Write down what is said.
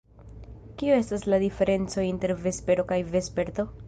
Kio estas la diferenco inter vespero kaj vesperto?